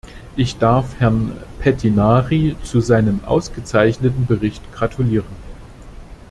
Ich darf Herrn Pettinari zu seinem ausgezeichneten Bericht gratulieren.